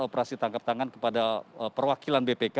operasi tangkap tangan kepada perwakilan bpk